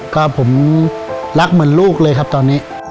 ก็ผมรักเหมือนลูกเลยครับตอนนี้